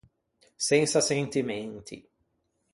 Sensa sentimenti.